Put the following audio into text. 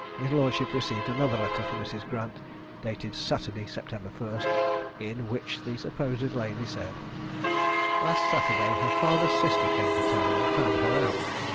His lordship received another letter from Mrs. Grant, dated Saturday, September 1st, in which the supposed lady said: "Last Saturday, her father's sister came to town, and found her out.